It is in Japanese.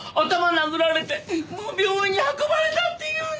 殴られて病院に運ばれたって言うんだもの！